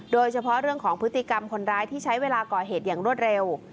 โดยเฉพาะเรื่องของพฤติกรรมคนร้ายที่ใช้เวลาก่อเหตุอย่างรวดเร็ว